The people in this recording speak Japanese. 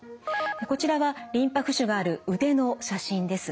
こちらはリンパ浮腫がある腕の写真です。